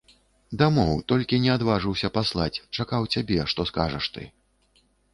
Дамоў, толькі не адважыўся паслаць, чакаў цябе, што скажаш ты.